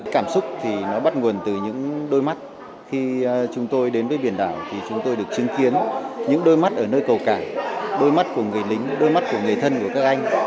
cảm xúc thì nó bắt nguồn từ những đôi mắt khi chúng tôi đến với biển đảo thì chúng tôi được chứng kiến những đôi mắt ở nơi cầu cảng đôi mắt của người lính đôi mắt của người thân của các anh